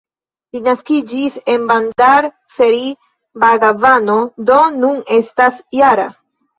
Li naskiĝis en Bandar-Seri-Begavano, do nun estas -jara.